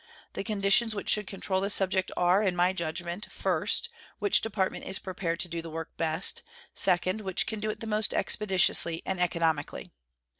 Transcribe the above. The conditions which should control this subject are, in my judgment, first, which Department is prepared to do the work best; second, which can do it the most expeditiously and economically.